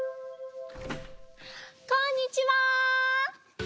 こんにちは！